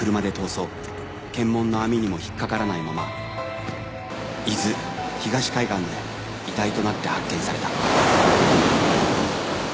検問の網にも引っかからないまま伊豆東海岸で遺体となって発見された。